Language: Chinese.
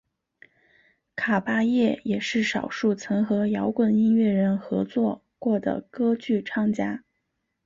卡芭叶也是少数曾和摇滚音乐人合作过的歌剧唱家。